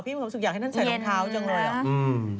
สุดอย่างให้นั้นใส่น้องเท้าจังเลยอ่ะอืม